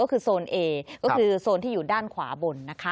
ก็คือโซนเอก็คือโซนที่อยู่ด้านขวาบนนะคะ